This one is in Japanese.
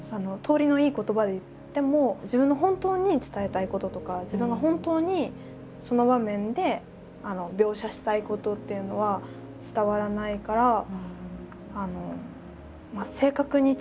通りのいい言葉で言っても自分の本当に伝えたいこととか自分が本当にその場面で描写したいことっていうのは伝わらないから。